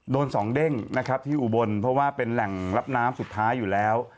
โดนสองเด้งนะครับที่อุบลเพราะว่าเป็นแหล่งรับน้ำสุดท้ายอยู่แล้ว